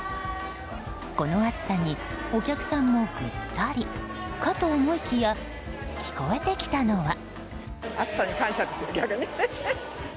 この暑さにお客さんもぐったりかと思いきや聞こえてきたのは。